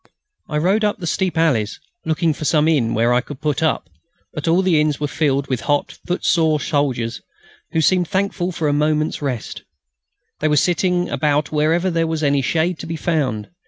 I rode up the steep alleys, looking for some inn where I could put up, but all the inns were filled with hot, footsore soldiers, who seemed thankful for a moment's rest. They were sitting about wherever there was any shade to be found.